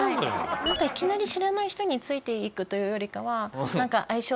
いきなり知らない人についていくというよりかは。